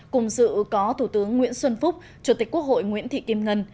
cùng dự có thủ tướng nguyễn xuân phúc chủ tịch quốc hội nguyễn thị kim ngân